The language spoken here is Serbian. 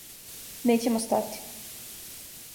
Нећемо стати.